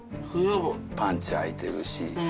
パンチあいてるし。